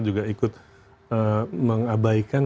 juga ikut mengabaikan